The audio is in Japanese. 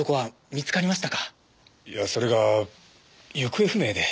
いやそれが行方不明で。